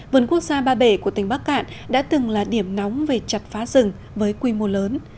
vườn quốc gia ba bể của tỉnh bắc cạn đã từng là điểm nóng về chặt phá rừng với quy mô lớn